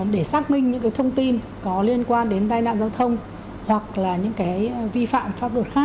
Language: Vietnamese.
để xác minh những cái thông tin có liên quan đến tai nạn giao thông hoặc là những cái vi phạm pháp luật khác